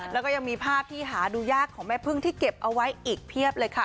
แล้วก็ยังมีภาพที่หาดูยากของแม่พึ่งที่เก็บเอาไว้อีกเพียบเลยค่ะ